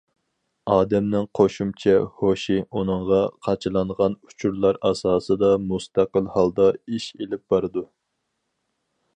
ئادەمنىڭ قوشۇمچە ھوشى ئۇنىڭغا قاچىلانغان ئۇچۇرلار ئاساسىدا مۇستەقىل ھالدا ئىش ئېلىپ بارىدۇ.